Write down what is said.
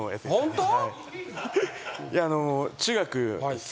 ホント？